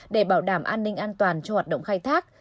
để bảo đảm an ninh an toàn cho hoạt động khai thác